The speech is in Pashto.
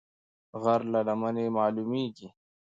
غر له لمنې مالومېږي